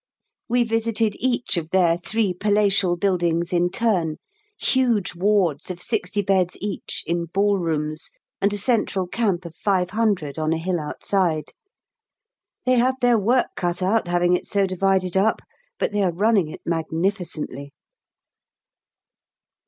We visited each of their three palatial buildings in turn, huge wards of 60 beds each, in ball rooms, and a central camp of 500 on a hill outside. They have their work cut out having it so divided up, but they are running it magnificently.